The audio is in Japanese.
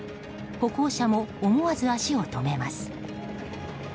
歩行者も思わず足を止めます。